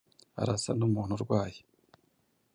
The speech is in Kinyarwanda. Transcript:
Arasa numuntu urwaye.